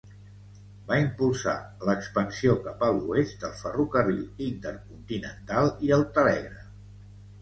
Va impulsar l'expansió cap a l'oest del ferrocarril intercontinental i el telègraf.